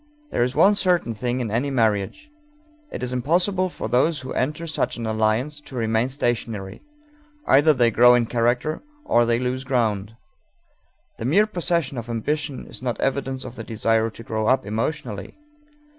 There is one certain thing in any marriage: it is impossible for those who enter such an alliance to remain stationary; either they grow in character or they lose ground. The mere possession of ambition is not evidence of the desire to grow up emotionally.